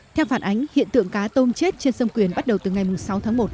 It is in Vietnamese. theo phản ánh hiện tượng cá tôm chết trên sông quyền bắt đầu từ ngày sáu tháng một